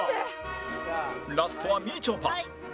ラストはみちょぱ